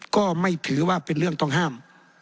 ก็ไม่ถือว่าเป็นเรื่องต้องห้าม